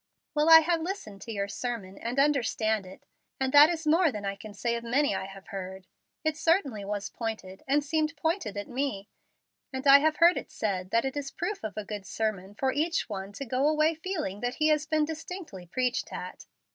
"Well, I have listened to your sermon and understand it, and that is more than I can say of many I have heard. It certainly was pointed, and seemed pointed at me, and I have heard it said that it is proof of a good sermon for each one to go away feeling that he has been distinctly preached at.